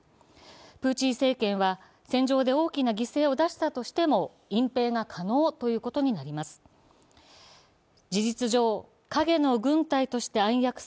プーチン政権は戦場で大きな犠牲を出したとしても隠蔽が可能ということになります。